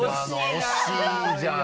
惜しいじゃん！